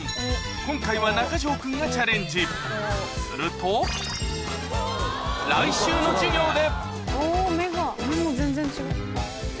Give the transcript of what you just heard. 今回は中条君がチャレンジすると来週の『授業』で！